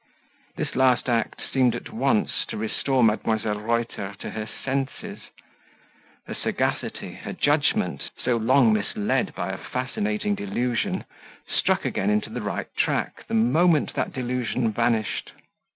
This last act seemed at once to restore Mdlle. Reuter to her senses; her sagacity, her judgment, so long misled by a fascinating delusion, struck again into the right track the moment that delusion vanished.